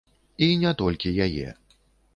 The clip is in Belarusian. І не толькі яе.